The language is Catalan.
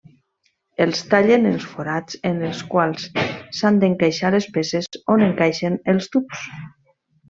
Els tallen els forats en els quals s'han d'encaixar les peces on encaixen els tubs.